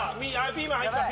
ピーマン入った。